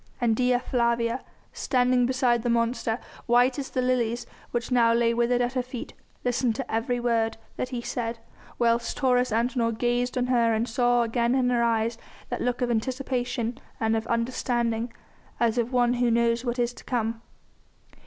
And Dea Flavia, standing beside the monster, white as the lilies which now lay withered at her feet, listened to every word that he said, whilst Taurus Antinor gazed on her and saw again in her eyes that look of anticipation and of understanding, as of one who knows what is to come.